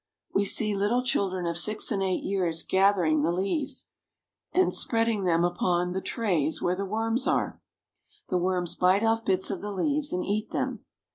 We see little children of six and eight years gathering the leaves, and spreading them out upon the trays where the worms are. The worms bite off bits of the leaves and eat them.